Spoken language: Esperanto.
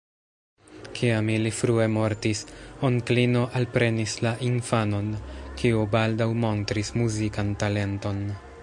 Kiam ili frue mortis, onklino alprenis la infanon, kiu baldaŭ montris muzikan talenton.